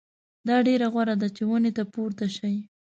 دا ډېره غوره ده چې ونې ته پورته شئ.